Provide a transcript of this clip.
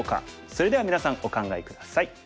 それではみなさんお考え下さい。